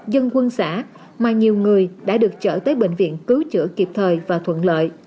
dân quân xã mà nhiều người đã được chở tới bệnh viện cứu chữa kịp thời và thuận lợi